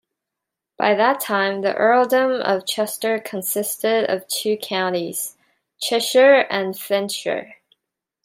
By that time, the Earldom of Chester consisted of two counties: Cheshire and Flintshire.